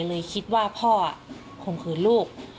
เลยคิดว่าพ่อข่มขืนลูก